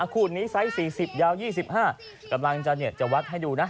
ขู่นนี้ไซส์๔๐ยาว๒๕กำลังจะเนียดจะวัดให้ดูนะ